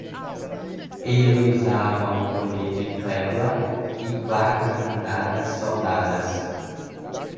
Ele usava um colete kevlar e placas blindadas soldadas